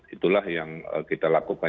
itulah yang kita lakukan